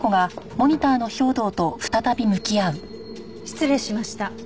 失礼しました。